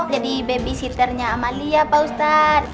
jadi babysitternya amelia pak ustaz